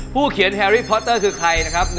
เขียนแฮรี่พอเตอร์คือใครนะครับ